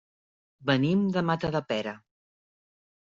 Venim de Matadepera.